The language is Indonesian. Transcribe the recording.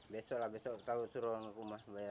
besok lah besok tau suruh rumah bayar